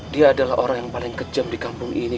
dia adalah orang yang paling kejam di kampung ini